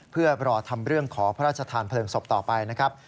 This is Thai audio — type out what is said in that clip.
เพื่อรอทำเรื่องขอพระราชทานเพลิงศพต่อไปนะครับ